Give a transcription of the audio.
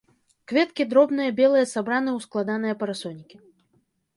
Кветкі дробныя, белыя, сабраны ў складаныя парасонікі.